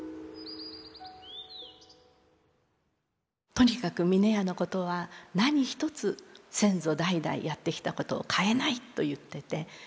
とにかく峰屋のことは何一つ先祖代々やってきたことを変えないと言ってて。